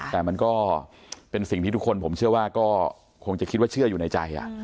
แต่มันก็เป็นสิ่งที่ทุกคนผมเชื่อว่าก็คงจะคิดว่าเชื่ออยู่ในใจ